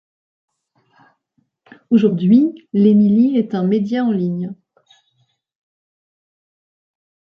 Aujourd'hui, l'émiliE est un média en ligne.